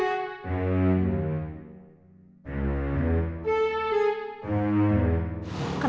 nggak usah cari kerja yang lain